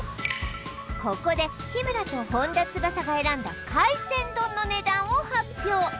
ここで日村と本田翼が選んだ海鮮丼の値段を発表